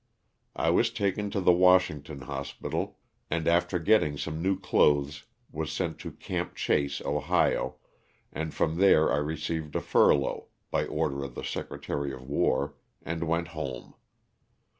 I was taken to the Washington Hospital, and after getting some new clothes was sent to '* Camp Chase," Ohio, and from there I received a furlough (by order of the Secretary of War), and went home.